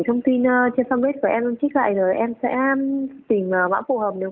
chúng tôi được hướng dẫn phải đăng ký trên web để nhận mã gia sư và được phân lớp phù hợp